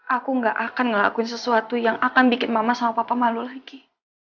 aku gak akan ngelakuin sesuatu yang akan bikin mama sama papa malu lagi